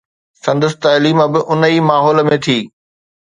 سندس تعليم به ان ئي ماحول ۾ ٿي.